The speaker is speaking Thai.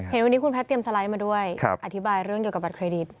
เห็นวันนี้คุณแท็มสไลด์มาด้วยอธิบายเรื่องเกี่ยวกับบัตรเครดิต